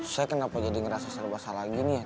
saya kenapa jadi ngerasa serba salah gini